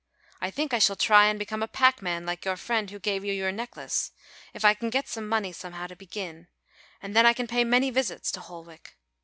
I think I shall try and become a packman like your friend who gave you your necklace, if I can get some money somehow to begin, and then I can pay many visits to Holwick.